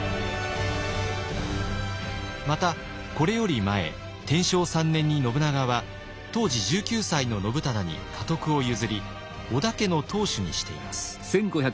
またこれより前天正３年に信長は当時１９歳の信忠に家督を譲り織田家の当主にしています。